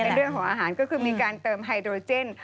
เพื่อการเติมไฮโอร์เจน